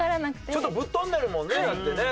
ちょっとぶっ飛んでるもんねだってね。